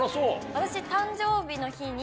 私。